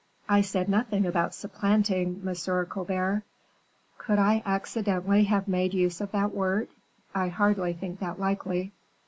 "I said nothing about supplanting, Monsieur Colbert. Could I accidentally have made use of that word? I hardly think that likely.